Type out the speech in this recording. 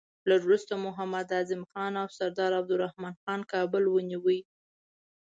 لږ وروسته محمد اعظم خان او سردار عبدالرحمن خان کابل ونیوی.